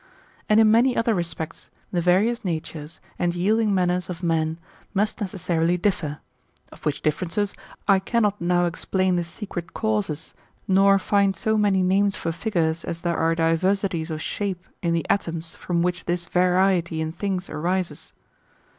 And in many other respects the various natures, and yielding man ners of men, must necessarily differ ; of which differences I cannot now explain the secret causes, nor find so many names for figures as there are diversities of shape in the atoms from which this variety in things arises.